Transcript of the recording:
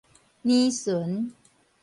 奶巡